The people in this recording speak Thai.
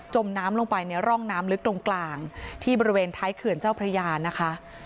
มน้ำลงไปในร่องน้ำลึกตรงกลางที่บริเวณท้ายเขื่อนเจ้าพระยานะคะ